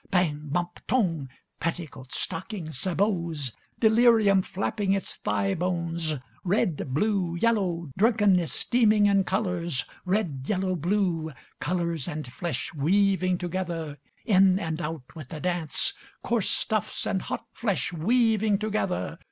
Bang! Bump! Tong! Petticoats, Stockings, Sabots, Delirium flapping its thigh bones; Red, blue, yellow, Drunkenness steaming in colours; Red, yellow, blue, Colours and flesh weaving together, In and out, with the dance, Coarse stuffs and hot flesh weaving together.